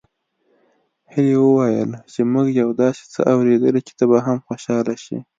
هيلې وويل چې موږ يو داسې څه اورېدلي چې ته به هم خوشحاله شې